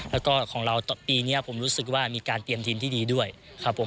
แล้วก็ของเราปีนี้ผมรู้สึกว่ามีการเตรียมทีมที่ดีด้วยครับผม